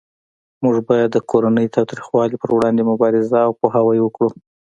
موږ باید د کورنۍ تاوتریخوالی پروړاندې مبارزه او پوهاوی وکړو